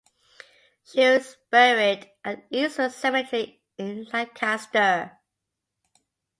She was buried at Eastwood Cemetery in Lancaster.